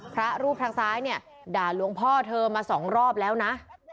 พระรูปทางซ้ายเนี่ยด่าหลวงพ่อเธอมาสองรอบแล้วนะ